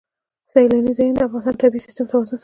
سیلانی ځایونه د افغانستان د طبعي سیسټم توازن ساتي.